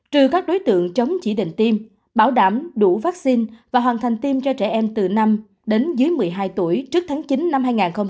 trừ các đối tượng chống chỉ định tiêm bảo đảm đủ vaccine và hoàn thành tiêm cho trẻ em từ năm đến dưới một mươi hai tuổi trước tháng chín năm hai nghìn hai mươi